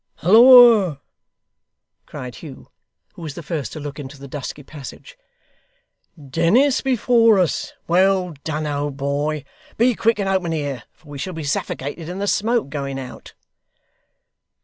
'Halloa!' cried Hugh, who was the first to look into the dusky passage: 'Dennis before us! Well done, old boy. Be quick, and open here, for we shall be suffocated in the smoke, going out.